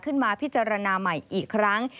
ขึ้นมาพิจารณาใหม่อีกครั้ง